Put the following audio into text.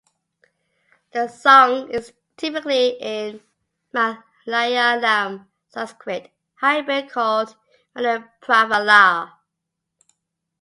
The song is typically in Malayalam-Sanskrit hybrid called Manipravala.